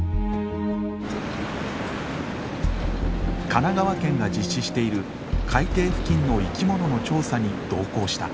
神奈川県が実施している海底付近の生き物の調査に同行した。